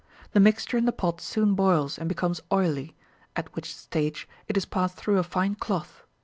The mixture in the pot soon boils and becomes oily, at which stage it is passed through a fine cloth.